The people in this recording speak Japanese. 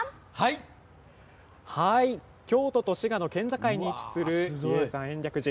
京都と滋賀の県境に位置する比叡山延暦寺。